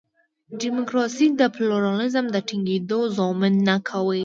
ډیموکراسي د پلورالېزم د ټینګېدو ضامن نه کوي.